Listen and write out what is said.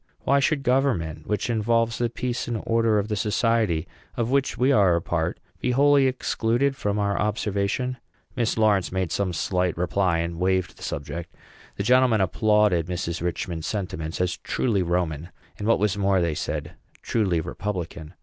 Why should government, which involves the peace and order of the society of which we are a part, be wholly excluded from our observation?" Mrs. Lawrence made some slight reply, and waived the subject. The gentlemen applauded Mrs. Richman's sentiments as truly Roman, and, what was more, they said, truly republican.